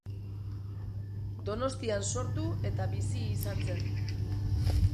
Donostian sortu eta bizi izan zen.